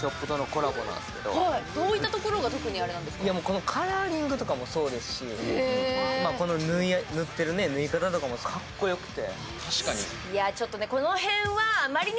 このカラーリングとかもそうですし、この縫っている縫い方とかもかっこよくて。